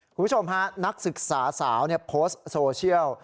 คุณผู้ชมฮะนักศึกษาสาวโพสต์โซเชียล